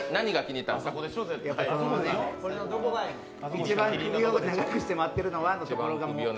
「一番首を長くして待ってるのが」の辺り。